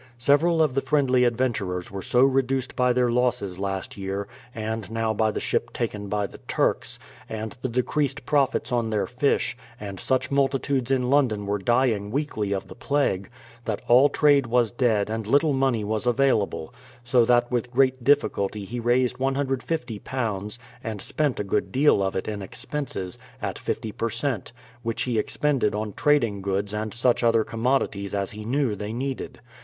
Several of the friendly adventurers were so reduced by their losses last year, and now by the ship taken by the Turks, and the decreased profits on their fish, and such multitudes in London were dying weekly of the plague, that all trade was dead and little money was available; so that with great difficulty he raised £150 (and spent a good deal of it in expenses) at 50 per cent, which he expended on trading goods and such other com modities as he knew they needed.